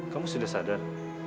kamu sudah sadar